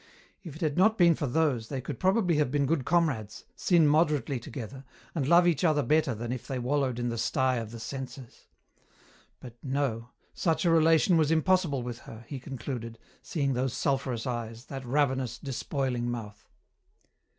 If it had not been for those they could probably have been good comrades, sin moderately together, and love each other better than if they wallowed in the sty of the senses. But no, such a relation was impossible with her, he concluded, seeing those sulphurous eyes, that ravenous, despoiling mouth.